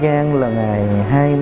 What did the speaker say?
ít nhất là cái thời điểm